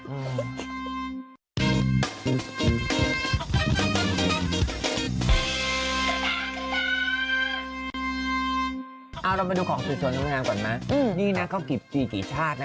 เอาเราไปดูของสวยสวยของโรงงานก่อนนะนี่นะเขากินกี่ชาตินะ